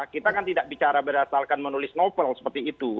kita kan tidak bicara berdasarkan menulis novel seperti itu